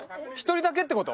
１人だけって事？